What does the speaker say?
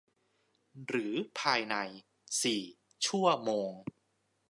หรือภายใน สี่ ชั่วโมง